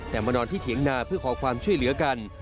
แต่มานอนที่เถียงนาเพื่อขอความช่วยเหลือกัน